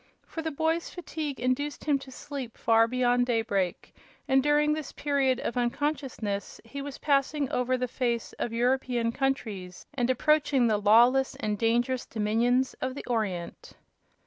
For the boy's fatigue induced him to sleep far beyond daybreak, and during this period of unconsciousness he was passing over the face of European countries and approaching the lawless and dangerous dominions of the Orient.